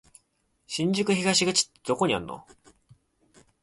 新宿東口ってどこにあんの？